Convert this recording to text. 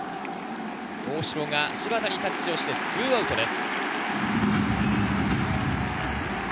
大城が柴田にタッチして２アウトです。